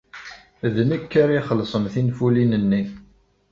D nekk ara ixellṣen tinfulin-nni.